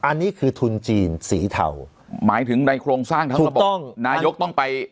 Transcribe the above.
อันนี้คือทุนจีนสีเทาหมายถึงในโครงสร้างทั้งระบบนายกต้องไป